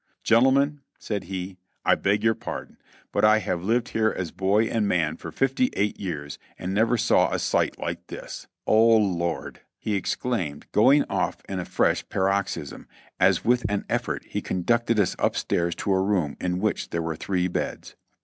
"Gentlemen," said he, "I beg your pardon, but I have lived here as boy and man for fifty eight years and never saw a sight like this ; O Lord !" he exclaimed, going off in a fresh paroxysm, as with an effort he conducted us up stairs to a room in which there were three beds.